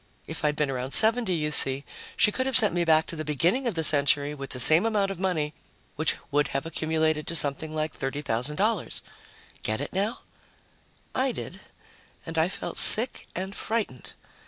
If I'd been around 70, you see, she could have sent me back to the beginning of the century with the same amount of money, which would have accumulated to something like $30,000. Get it now? I did. And I felt sick and frightened.